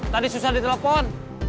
tadi susah ditelepon